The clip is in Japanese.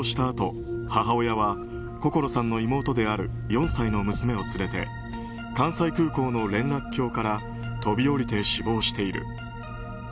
あと母親は心桜さんの妹である４歳の娘を連れて関西空港の連絡橋から飛び降りて死亡している。